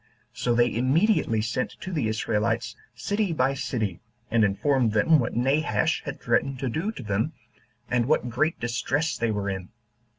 So they immediately sent to the Israelites, city by city, and informed them what Nabash had threatened to do to them, and what great distress they were in.